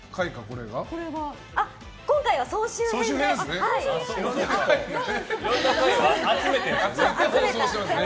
今回は総集編ですね。